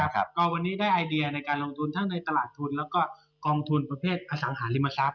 ก็วันนี้ได้ไอเดียในการลงทุนทั้งในตลาดทุนแล้วก็กองทุนประเภทอสังหาริมทรัพย